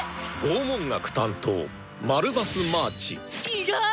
意外！